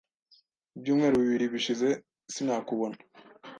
Ibyumweru bibiri bishize sinakubona.